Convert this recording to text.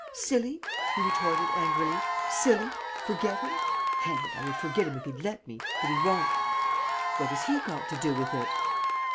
"Silly?" he retorted, angrily. "Silly? Forget him? Hang it, I would forget him if he'd let me but he won't." "What has he got to do with it?"